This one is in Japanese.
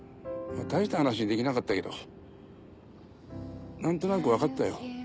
大した話できなかったけど何となく分かったよ。